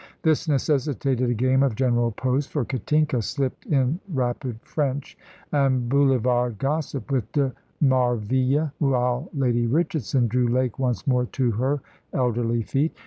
This necessitated a game of general post, for Katinka slipped in rapid French and boulevard gossip with de Marville, while Lady Richardson drew Lake once more to her elderly feet.